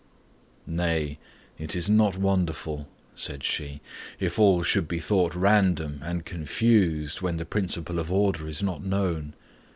'Nay; it is not wonderful,' said she, 'if all should be thought random and confused when the principle of order is not known.